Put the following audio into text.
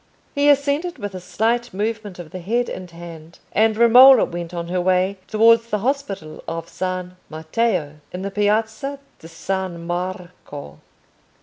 He assented with a slight movement of the head and hand, and Romola went on her way towards the hospital of San Matteo, in the Piazza di San Marco.